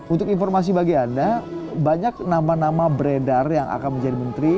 untuk informasi bagi anda banyak nama nama beredar yang akan menjadi menteri